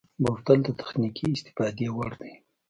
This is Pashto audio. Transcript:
بوتل د تخنیکي استفادې وړ دی.